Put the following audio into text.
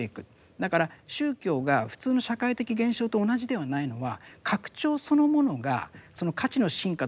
だから宗教が普通の社会的現象と同じではないのは拡張そのものがその価値の深化とは必ずしも一致しない。